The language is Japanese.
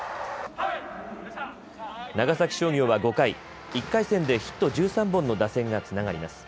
長崎商業は５回１回戦でヒット１３本の打線がつながります。